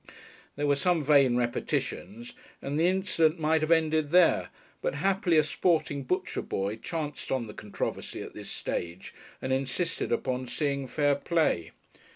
There were some vain repetitions, and the incident might have ended there, but happily a sporting butcher boy chanced on the controversy at this stage, and insisted upon seeing fair play.